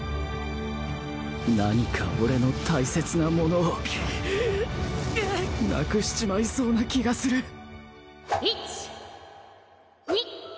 何か俺の大切なものをなくしちまいそうな気がする１２。